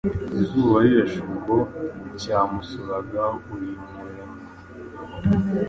izuba Rirashe ubwo cyamusuraga uyu murenge